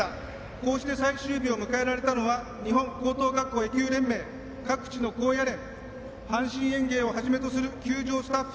こうして最終日を迎えられたのは日本高等学校野球連盟各地の高野連阪神園芸をはじめとする球場スタッフ。